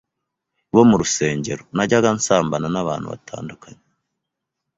bo murusengero, najyaga nsambana n’abantu batandukanye